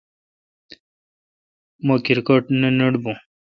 مہ کرکٹ نہ نٹ بون۔